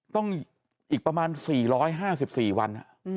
ต้องอีกประมาณ๔๕๔วัน